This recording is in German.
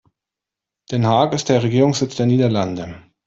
Den Haag ist der Regierungssitz der Niederlande.